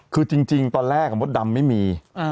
คือจริงตอนแรกมดดำไม่มี